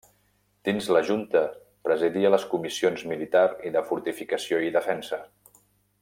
Dins de la Junta presidia les comissions Militar i de Fortificació i Defensa.